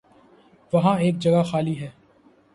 وہاں ایک جگہ خالی ہے۔